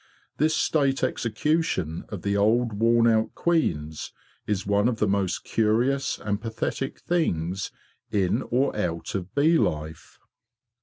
This State execution of the old worn out queens is one of the most curious and pathetic things in or out of bee life.